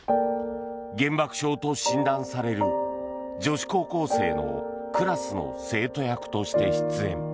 原爆症と診断される女子高校生のクラスの生徒役として出演。